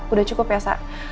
udah cukup ya sa